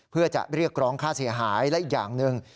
เพื่อจะเรียกร้องค่าเสียหายและอีกอย่างหนึ่ง